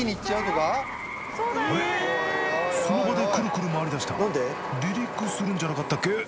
その場でくるくる回りだした離陸するんじゃなかったっけ？